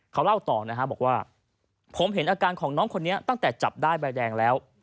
เขาเล่าต่อนะฮะบอกว่าผมเห็นอาการของน้องคนนี้ตั้งแต่จับได้ใบแดงแล้ว